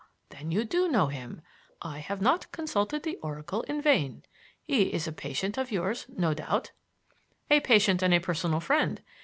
Then you do know him. I have not consulted the oracle in vain. He is a patient of yours, no doubt?" "A patient and a personal friend.